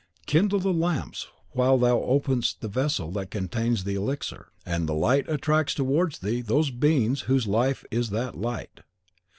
Kindle the lamps while thou openst the vessel that contains the elixir, and the light attracts towards thee those beings whose life is that light.